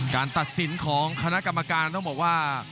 ตัดสินของคณะกรรมการต้องบอกว่า